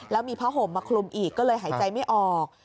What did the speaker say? แล้วมีผ้าห่มมาคลุมอีกก็เลยหายใจไม่ออก